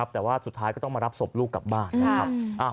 แต่ว่าสุดท้ายก็ต้องมารับศพลูกกลับบ้านนะครับ